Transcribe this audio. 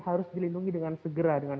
harus dilindungi dengan segera dengan